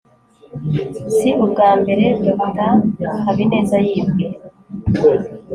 si ubwa mbere dr habineza yibwe